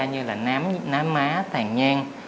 như là nám má tàn nhan